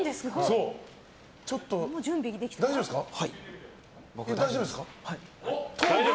大丈夫ですか？